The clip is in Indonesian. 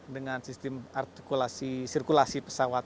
dengan sistem sirkulasi pesawat